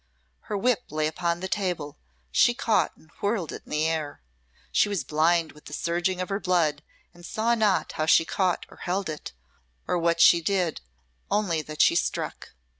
Her whip lay upon the table, she caught and whirled it in the air. She was blind with the surging of her blood, and saw not how she caught or held it, or what she did only that she struck!